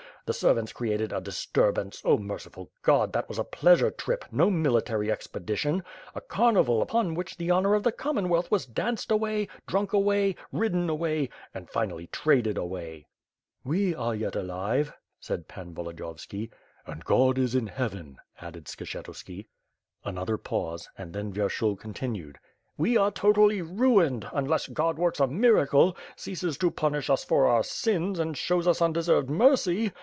The servants created a disturbance — Oh merciful God, that was a pleasure trip, no military expedition; a carnival upon which the honor of the Commonwealth was danced away, drunk away, ridden away — and, finally, traded away." "We are yet alive," said Pan Volodiyovski. "And God is in heaven," added Ski^lietuski. Another pause, and then Vyershul continued: "We are totally ruined, unless God works a miracle; ceases to punish us for our sins and shows ue undeserved mercy.